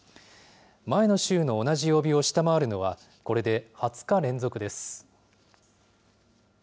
前の週の同じ曜日を下回るのは、これで２０日連続です。